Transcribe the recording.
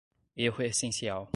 erro essencial